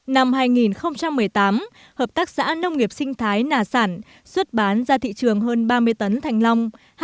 năm hai nghìn một mươi tám hợp tác xã nông nghiệp sinh thái nà sản xuất bán ra thị trường hơn ba mươi tấn thành long